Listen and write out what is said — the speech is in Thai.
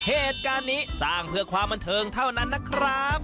เหตุการณ์นี้สร้างเพื่อความบันเทิงเท่านั้นนะครับ